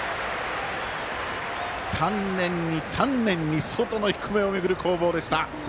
丹念に丹念に外の低めを巡る攻防でした。